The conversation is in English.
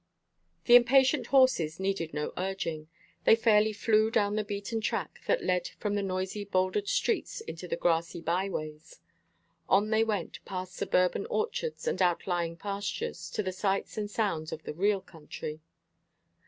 The impatient horses needed no urging. They fairly flew down the beaten track that led from the noisy, bouldered streets into the grassy byways. On they went, past suburban orchards and outlying pastures, to the sights and sounds of the real country.